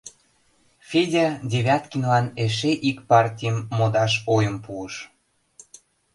Федя Девяткинлан эше ик партийым модаш ойым пуыш.